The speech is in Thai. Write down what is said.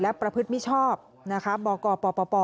และประพฤติมิชชอบบกปป